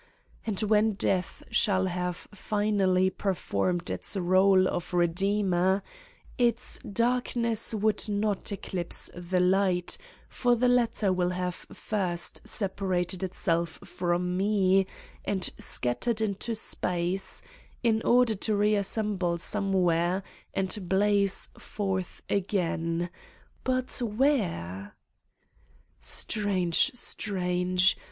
And when death shall have finally performed its role of redeemer, its darkness would not eclipse the light, for the latter will have first separated itself from me and scat tered into space, in order to reassemble some where and blaze forth again ... but where? Strange, strange.